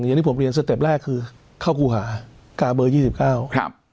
อย่างที่ผมเรียนสเต็ปแรกคือเข้าครูหากาเบอร์ยี่สิบเก้าครับ